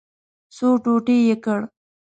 څو ټوټې یې کړ.